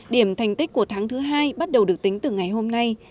điểm thành tích của tháng thứ hai bắt đầu được tính từ ngày hôm nay